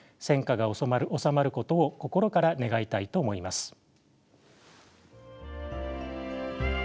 戦火が収まることを心から願いたいと思います。